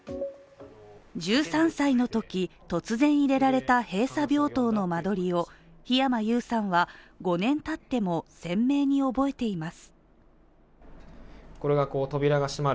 １３歳のとき、突然入れられた閉鎖病棟の間取りを火山優さんは、５年たっても鮮明に覚えています。